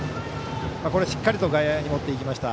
しっかりと外野に持っていきました。